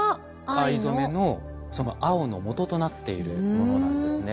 藍染めのその青のもととなっているものなんですね。